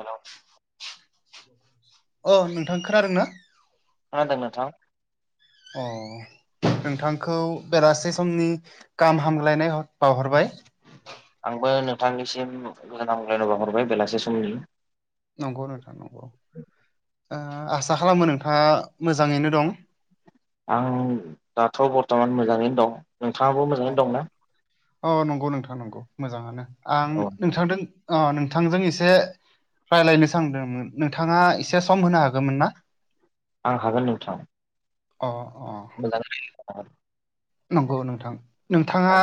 Hello अ ओ नोंथां खोनादों ना मा होनदों नोंथां अ नोंथांखौ बेलासि समनि गाहाम हामलायनाय बावहरबाय आंबो नोंथांनिसिम गोजोन हामलायनाय बावहरबाय बेलासि समनि नंगौ नोंथां नंगौ ओ आसा खालामो नोंथांआ मोजाङैनो दं आं दाथ' बरथ'मान मोजाङैनो दं नोंथांआबो अ मोजांयैनो दंना अ नंगौ नोंथां नंगौ मोजांआनो आं औ नोंथांजों ओ नोंथांजों एसे रायज्लायनो सांदोंमोन नोंथांआ एसे सम होनो हागौमोन ना आं हागोन नोंथां अ ओ [unintelligible] नोंगौ नोंथां नोंथांआ औ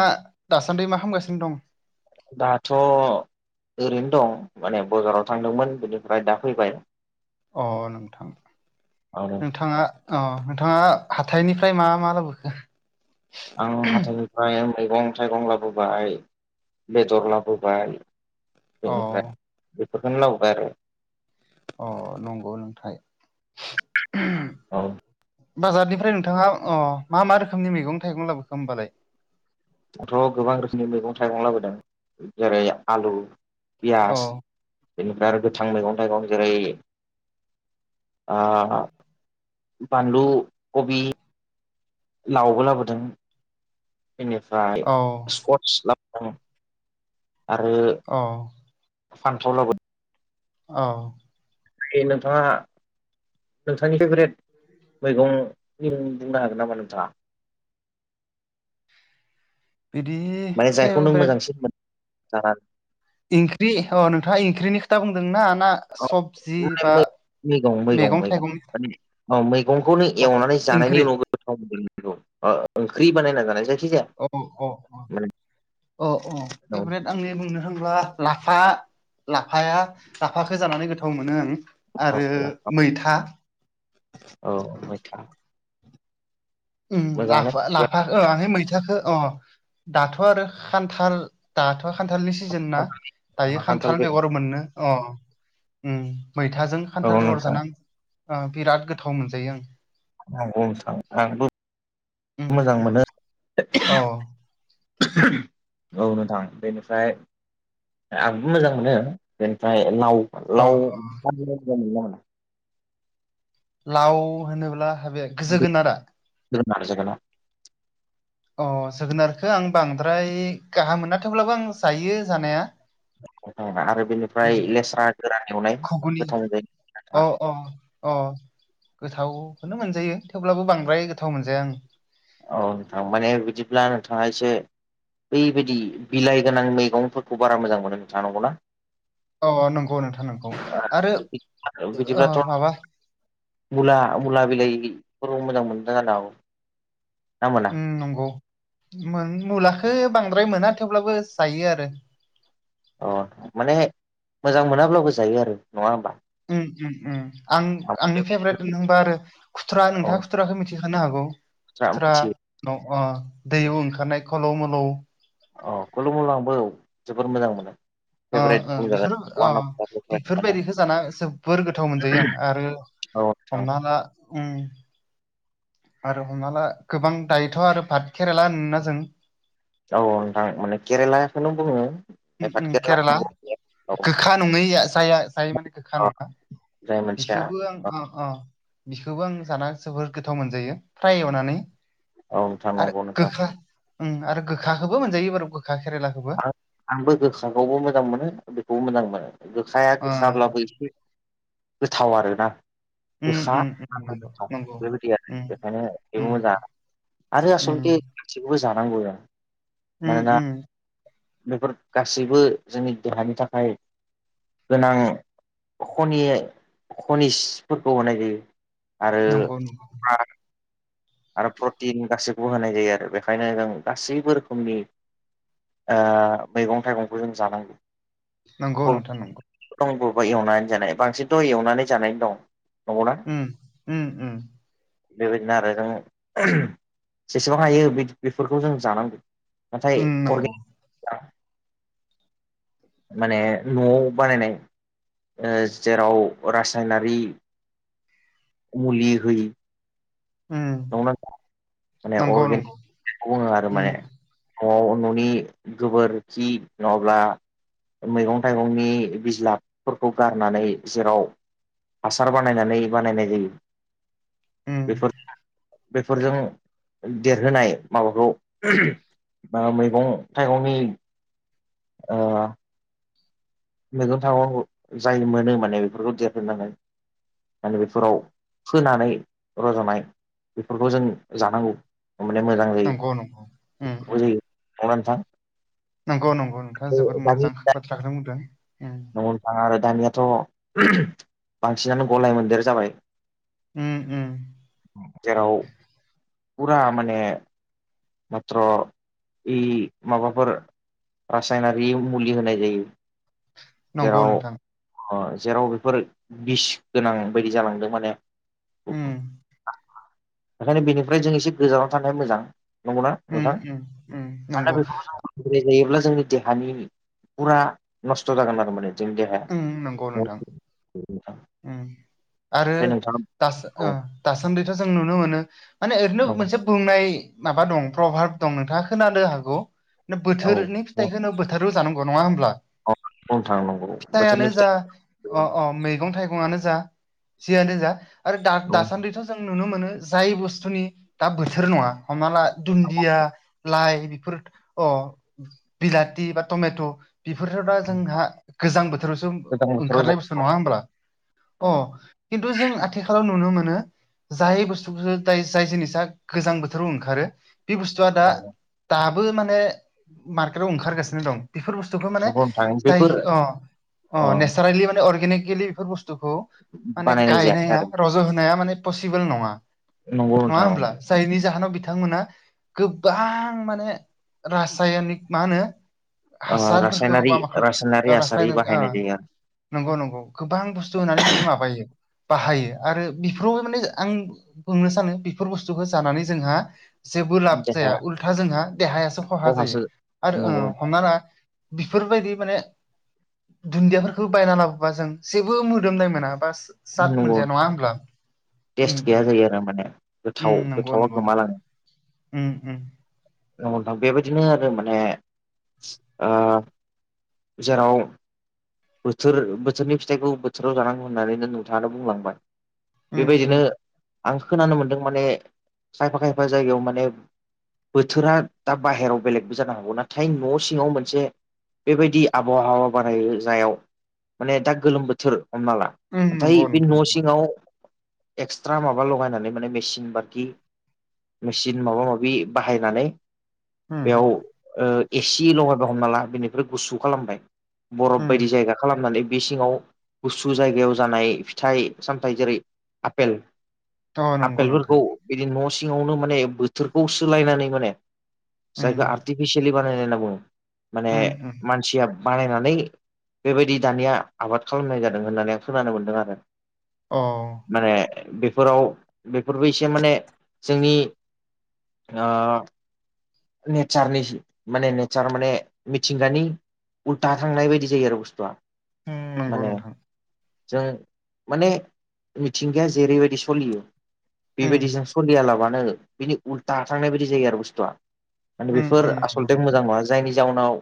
दासान्दि मा खामगासिनो दं दाथ' ओरैनो दं माने ब'जाराव थांदोंमोन बेनिफ्राय दा फैबाय अ नोंथां आरो नोंथांआ ओ नोंथांआ हाथायनिफ्राय मा मा लाबोखो आं हाथाइनिफ्राय मैगं थाइगं लाबोबाय बेदर लाबोबाय अ बेनिफ्राय बेफोरखौनो लाबोबाय आरो। अ' नंगौ नोंथां। औ। बाजारनिफ्राय नोंथाङा अ मा-मा रोखोमनि मैगं थाइगं लाबोखो होनोमबालाय। थ' गोबां रोखोमनि मैगं थाइगं लाबोदों जेरै आलु, औ पियास बेनिफ्राय आरो गोथां मैगं थाइगं जेरै ओ बानलु, कबि लावबो लाबोदों बेनिफ्राय औ स्कस लाबोदों। आरो अ' फानथाव लाबोदों औ। नोंथां ङा नोंथांनि फेब्रेथ मैगंनि बुंनो हागोन नामा नोंथाङा। बिदि माने जायखौ नों फेभरेट मोजांसिन मोनो जाना इंख्रि अ नोंथाङा इंख्रिनि खोथा बुंदोंना ना सबजि बा मैगं मैगं-मैगं-मैगं थाइगंनि माने औ मैगंखौनो अ एवनानै जानायनि ओंख्रि उनावबो गोथाव मोनांगौ ओ ओंख्रि बानायना जानाय जायखिजाया औ-औ माने अ औ फेब्रेथट आंनि बुंनो मानो होनब्ला लाफा लाफाया लाफाखौ जानानै गोथाव मोनो आं। आरो मैथा। औ मैथा। उम लाफा मोजाङानो लाफा आ मैथाखौ अ दाथ' आरो खान्थाल दाथ' खान्थालनि सिजोन ना दायो खान्थाल बेगर मोनो। अ उम मैथाजों औ खान्थाल बेगर नोंथां जाना ओ बिराद गोथाव मोनजायो आं। नंगौ स आंबो आं मोजां उम मोनो। अ औ नोंथां बेनिफ्राय आंबो मोजां मोनो बेनिफ्राय अ लाव-लाव अ मोजां मोनो। लाव होनोब्ला हाबाया गो जोगोनारा। जोगोनार-जोगोनारा। अ जोगोनारखो आं बांद्राय गाहाम मोन थेवब्लाबो आं जायो जानाया। आरो बेनिफ्राय लेस्रा गोरान एवनाय खुगुनि गोथाव जायो नोंथां। अ-अ-अ गोथावखोनो मोनजायो थेवब्लाबो बांद्राय गोथाव मोनजाया आं। औ नोंथां माने बिदिब्ला नोंथाङा एसे बैबायदि बिलाइ गोनां मैगंफोरखौ बारा मोजां मोनो नोंथांङा नांगौ ना? औ नंगौ नोंथां नंगौ आरो ओ माबा मुला-मुला बिलाइफोरबो मोजां [unintelligible] उम नंगौ मुलाखौ बांद्राय मोना थेवब्लाबो जायो आरो। अ माने मोजां मोनाब्लाबो जायो आरो नङा होमबा। उम-उम-उम आं आंनि फेभरेट होनबा आरो खुथुरा नोंथाङा खुथ्रा खुथ्राखौ मिथिखानो हागौ औ खुथ्रा मिथियो दैयाव ओंखारनाय खलौ मलौ अ खुलुम आंबो जोबोर मोजां मोनो। फेभरेट बेफोर बुंजागोन वान अफ दा फेभरेट माने बेफोरबायदिखौ जाना जोबोर गोथाव मोनजायो आं आरो औ नोंथां हमना ला उम। आरो हमना ला गोबां दायोथ' आरो भारत खेराइला होनोना जों औ नोंथां माने केरेलाखौनो बुङो। उम उम केरेला औ गोखा नङै ज जाय माने गोखा औ नङा। जाय मोनसेया बेखौबो औ आंहा अ अ बिखौबो आं जाना जोबोर गोथाव मोनजायो फ्राय एवनानै औ नोंथां आरो नंगौ नोंथां गोखा आरो गोखाखौबो मोनजायो बारै गोखा खेरेलाखौबो आं आंबो गोखाखौबो मोजां मोनो बेखौबो मोजां मोनो गोखाया ओ गोखाब्लाबो एसे गोथाव आरोना उम गोसा उम उम गोसा नंगौ नंगौ बेबायदि आरो बेखायनो उम बेबो मोजां। आरो आसलथे बिदिखौबो जानांगौ आरो। उ उ बेफोर गासैबो जोंनि देहानि थाखाय गोनां खनि खनिसफोरखौ होनाय जायो। आरो नंगौ नंगौ फ्रा आरो प्रटिन गासैखौबो होनाय जायो आरो बेखायनो जों गासैबो रोखोमनि मैगं थाइगंखौ जों जानांगौ। नंगौ नोंथां नंगौ। दं बबबा एवनानै जानाय बांसिनथ' एवनानै जानाय दं नंगौना उम उ उ बेबादिनो आरो जोङो जेसेबां हायो बेफोरखौ जों जानांगौ नाथाय उम अनि नंगौ माने न'आव बानायनाय जेराव रासायनारि मुलि हो उम नंना माने नंगौ नंगौ अर्गेनिकखौ बुङो आरो उम माने न'आव न'नि गोबोरखि नङाब्ला मैगं थाइगंनि बिज्लाफोरखौ गारनानै जेराव हासार बानायनानै बानायनाय जायो उम बेफोर बेफोरजों देरहोनाय माबाखौ बा मैगं थाइगंनि अ मैगं थाइगाव जाय मोनो माने बेफोरखौ देरहोननानै माने बेफोराव फोनानै रज'नाय बेफोरखौ जों जानांगौ। ममाने मोजां नंगौ नंगौ उम जायो उम जायो [unintelligible] नंगौ नंगौ नोंथाङा नंगौना जोबोर नोंथां मोजां बाथ्राखौथनो बुंदों। ननो थाङा आरो दानियाथ' बांसिनानो गलाय मोनदेर जाबाय उम उम जेराव फुरा माने मत्र' इ माबाफोर रासायनारि मुलि होनाय जायो। नंगौ जेराव नोंथां जेराव बेफोर बिस गोनां बायदि जालांदों माने उ बेओंखायनो बेनिफ्राय जों एसे गोजानाव थानाय मोजां। नंगौना उम नोंथां उम उम मानोना नंगौ बे जों फाय जायोब्ला जोंनि देहानि फुरा [unintelligible] जोंनि देहा उम नंगौ नोंथां [unintelligible] उम आरो औ दासान - दासान्दिथ' जों नुनो मोनो माने ओरैनो मोनसे बुंनाय माबा दं प्रभाब दं नोंथाङा खोनानो हागौ नंगौ बोथोरनि फिथायखौनो बोथोराव जानांगौ नङा होनोमब्ला? अ बुंनो थांनांगौ। हिथायानो जा अ अ मैगं थाइगंआानो जा जियानो जा' आरो दा औ दासानदैथ जों नुनो मोनो जाय बुस्थुनि दा बोथोर नङा हमना ला दुन्दिया लाइ बेफोर अ बिलााथि बा टमेट' बेफोरथ' दा जोंहा गोजां बोथोरावसो गोजां बोथोराव ओंखारनाय बुस्थु जायो औ नङा होमब्ला? अ नंगौ खिन्थु जों आथिखालाव नुनो मोनो। जाय बुस्थुखौसो जाय जिनिसा गोजां बोथोराव ओंखारो बे बुस्थुआ दा नंगौ दाबो माने मार्केटाव ओंखारगासिनो दं। बेफोर बुस्थुखौ माने नंगौ नोंथां बेफोर जायखि अ अ नेचारेलि माने अर्गेनिकेलि बेफोर बुस्थुखौ माने बानायनाय जायाखै गायनाया आरो रज' होनाया माने पसिबोल नङा, नंगौ नङा नोंथां होमब्ला नंगौ। जायनि जाहोनाव बिथांमोना गोबां माने रासायनिक मा होनो ओ हासारफोरखौ रासायनारि बा मा रासायनारि हासार रासायनारि आ बाहायनाय जायो नंगौ नंगौ गोबां बुस्थु होनानै बिदि माबायो बाहायो आरो बेफोरावबो माने आं बुंनो सानो बेफोर बुस्थुखौ जानानै जोंहा जेबो आरो लाब जाया देहाया उल्था जोंहा देहायासो खहा जायो खहासो आरो ओ नंगौ नोंथां हमना ला बेफोरबायदि माने दुन्दियाफोरखौ बायना लाबोबा जों जेबो मोदोमनाय मोना बा नंगौ सात मोनजाया नोंथां नङा होमब्ला टेस्ट उम गैया उम जायो आरो माने उम गोथाव नंगौ गोथावा नंगौ गोमालांङो उम उम बेबायदिनो आरो माने ओ जेराव बोथोर बोथोरनि फिथाइखौ बोथोराव जानांगौ होननानैनो नोंथांङानो बुंलांबाय उम उम बेबायदिनो आं खोनानो मोनदों माने खायफा खायफा जायगायाव माने बोथोरा दा बाहेरायाव बेलेगबो जानो हागौ नाथाय न' सिङाव मोनसे बेबायदि आबहावा बानायाय जायाव माने दा गोलोम बोथोर हमना ला उम नाथाय नंगौ बे नोंथां न' नंगौ सिङाव एक्सट्रा माबा लगायनानै माने मेचिन बाकि मेचिन माबा माबि बाहायनानै उम बेयाव ओ एसि लगायबाय हमना ला बेनिफ्राय गुसु खालामबाय बै उम बायदि जायगा खालामनानै बे सिङाव गुसु जायगायाव जानाय फिथाइ सामथाइ जेरै आपेल अ नंगौ नोंथां आफेलफोरखौ बिदि न' सिङावनो माने बोथोरखौ सोलायनानै माने उम जायखो आर्टिफिसियेलि बानाय होनना बुङो माने उम उम मानसिया बानायनानै बेबायदि दानिया आबाद खालामनाय जादों होननानै आं खोनानो मोन्दों आरो अ माने बेफोराव बेफोरबो एसे माने जोंनि ओ नेचारनि माने नेचार माने मिथिंगानि उल्था थांनाय बायदि जायो आरो बुस्थुआ उम नंगौ माने नोंथां जों माने मिथिंगाया जेरैबायदि सलियो उम बेबायदिजों सलियालाबानो बिनि उल्था थांनाय बायदि जायो आरो बुस्थुआ माने उम बेफोर उम नंगौ आसलथे नोंथां मोजां नंङा जायनि जाउनाव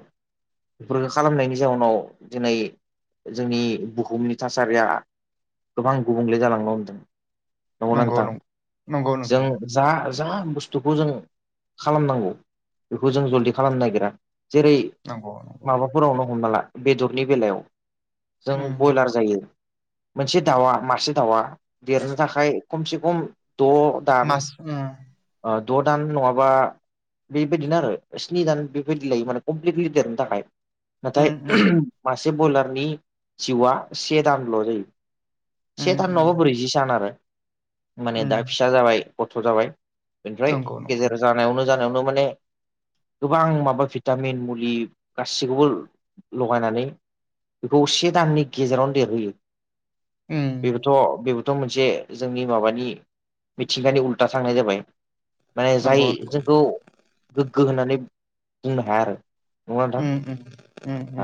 बेफोरखौ खालामनायनि जाउनाव दिनै जोंनि बुहुमनि थासारिया गोबां गुबुंले जालांनो होनदों नंगौना नंगौ नोंथां नं नंगौ जों नोंथां जा जा बुस्थुखौ जों खालामनांगौ बेखौ जों जल्दि खालामनो नागिरा जेरै नंगौ नंगौ माबाफोरावनो हमना ला बेदरनि बेलायाव जों उम बयलार जायो। मोनसे दाउआ मासे दाउआ देरनो थाखाय खमसे खम द' मास उम द' दान नंङाबा बेबायदिनो आरो स्नि जान बेबायदि लायो माने कमप्लिटलि देरनो थाखाय नाथाय उम उम मासे बयलारनि जिउआ से दानल' जायो। से उम थान उम नङाबा ब्रैजि सान आरो माने उम दा फिसा जाबाय गथ' जाबाय। बेनिफ्राय नंगौ नंगौ गेजेर जानायावनो जानायावनो माने गोबां माबा भिटामिन मुलि गासिखौबो लगायनानै बेखौ से दाननि गेजेरावनो देरहोयो। उम बेबोथ' बे थ' मोनसे जोंनि माबानि मिथिंगानि उल्था थांनाय जाबाय। माने जाय नंगौ नंगौ जोंखौ गोग्गो होननानै बुंनो हाया आरो नङा नोंथां? [inaudible] [inaudible]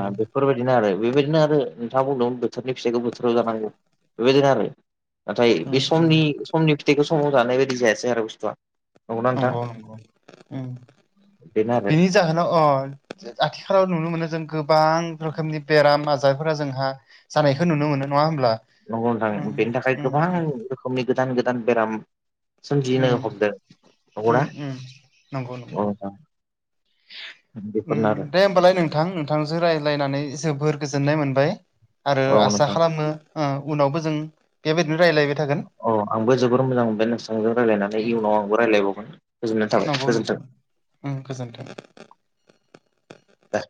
ओ बेफोरबायदिनो आरो बेबायदिनो आरो नोंथाङा बुंदोंमोन बोथोरनि फिथाइखौ बोथोराव जानांगौ। बेबायदिनो आरो नाथाय बे उम समनि समनि फिथाइखौ समाव जानाय बायदि जायासै आरो बुस्थुआ। नंगौना नोंथां नंगौ नंगौ बेनो उम्म आरो बिनि जाहोनाव अ आथिखालाव नुनो मोनो जों गोबां रोखोमनि बेराम आजारफोरा जोंहा जानायखौ नुनो मोनो नङा होमब्ला? नंगौ नोंथां उम बेनि थाखाय उम गोबां रोखोमनि गोदान गोदान बेराम उम सोमजिनो उम हमदो उम नंगौना? उम नंगौ नंगौ औ [inaudible] बेफोरनो आरो दे होमबालाय नोंथां नोंथांजों रायज्लायनानै जोबोर गोजोननाय मोनबाय। आरो औ आसा नोंथां खालामो ओ उनावबो जों बेबायदिनो राय्लायबाय थागोन। अ आंबो जोबोर मोजां मोनबाय नोंसांजों रायज्लायनानै इयुनाव आंबो रायलायबावगोन। गोजोननाय थाबाय नंगौ नोंथां गोजोन्थों उम्म गोजोन्थों। दे।